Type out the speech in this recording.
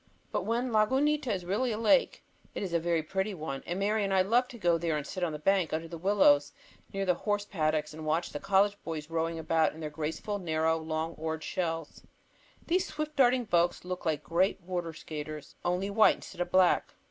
But when Lagunita is really a lake, it is a very pretty one, and Mary and I love to go there and sit on the bank under the willows near the horse paddocks and watch the college boys rowing about in their graceful, narrow, long oared shells. These swift darting boats look like great water skaters, only white instead of black.